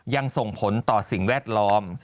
ยังส่งผลต่อสิ่งแวดล้อม